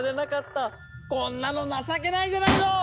こんなの情けないじゃないの！